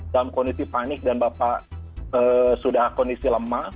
dalam kondisi panik dan bapak sudah kondisi lemah